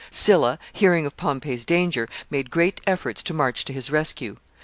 Sylla, hearing of Pompey's danger, made great efforts to march to his rescue.